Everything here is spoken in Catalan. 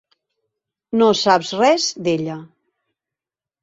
No saps res d'ella.